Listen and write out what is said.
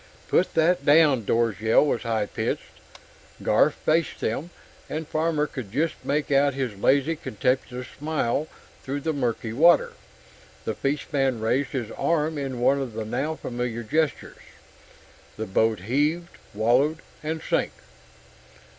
"Put that down!" Dor's yell was high pitched. Garf faced them, and Farmer could just make out his lazy, contemptuous smile through the murky water. The fishman raised his arm in one of the now familiar gestures. The boat heaved, wallowed, and sank.